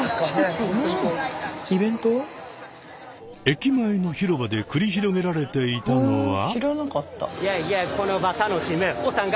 駅前の広場で繰り広げられていたのは。